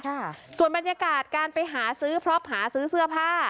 ค่ะส่วนบรรยากาศการไปหาซื้อพร้อมหาซื้อเสื้อผ้า